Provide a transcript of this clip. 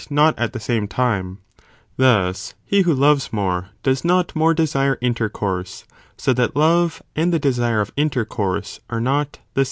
not at the same time; thus, he who loves more, does not more desire intercourse, so that love, and the desire of intercourse, are not the same.